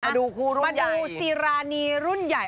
มาดูซีรานีรุ่นใหญ่